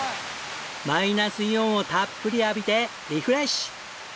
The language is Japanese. マイナスイオンをたっぷり浴びてリフレッシュ！